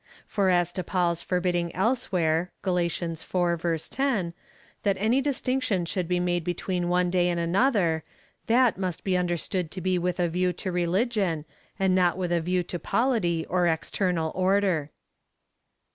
For as to Paul's forbidding else where (Gal. iv. 10) that any distinction should be made be tween one day and another, that must be understood to be with a view to religion,^ and not with a view to polity or external order.